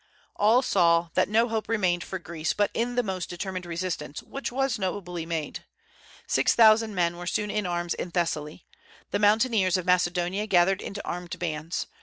All now saw that no hope remained for Greece but in the most determined resistance, which was nobly made. Six thousand men were soon in arms in Thessaly. The mountaineers of Macedonia gathered into armed bands.